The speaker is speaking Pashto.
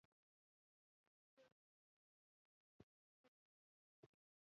د خرڅ ډیټا څېړل ګټور دي.